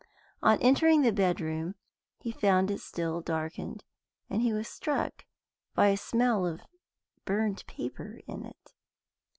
On entering the bedroom he found it still darkened, and he was struck by a smell of burned paper in it.